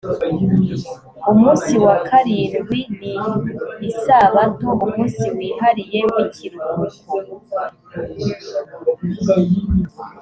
umunsi wa karindwi ni isabato umunsi wihariye w ikiruhuko